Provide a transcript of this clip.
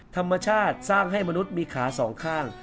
ธรรมชาติสร้างให้มนุษย์มีขาสองข้าง